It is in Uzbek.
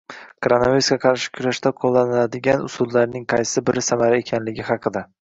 Koronavirusga qarshi kurashda qo'llaniladigan usullarning qaysi biri samarali ekanligi haqida